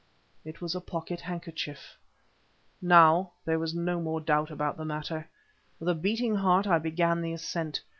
It was a pocket handkerchief. Now there was no more doubt about the matter. With a beating heart I began the ascent.